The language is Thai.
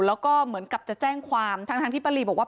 แล้วก็เหมือนกับจะแจ้งความทั้งที่ป้าลีบอกว่า